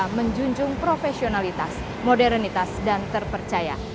dan menjunjung profesionalitas modernitas dan terpercaya